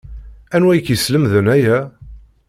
Anwa i k-yeslemden aya?